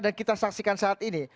dan kita saksikan saat ini